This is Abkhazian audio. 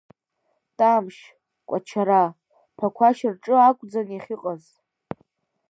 Тамшь, Кәачара, Ԥақәашь рҿы акәӡан иахьыҟаз.